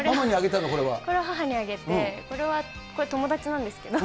これは母にあげて、これは、これ、友達なんですけど。